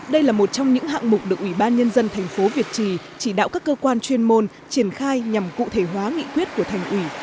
đây là một trong những hạng mục được ủy ban nhân dân thành phố việt trì chỉ đạo các cơ quan chuyên môn triển khai nhằm cụ thể hóa nghị quyết của thành ủy